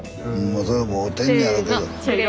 あそれも合うてんねやろけど。